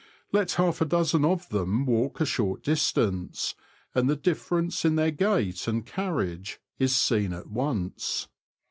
Let half a dozen of them walk a short distance, and the difference in their gait and carriage is seen at once.